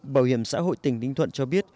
bảo hiểm xã hội tỉnh ninh thuận cho biết